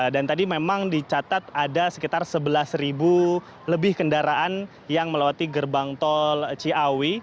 dan tadi memang dicatat ada sekitar sebelas ribu lebih kendaraan yang melewati gerbang tol ciawi